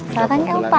selamat tinggal opa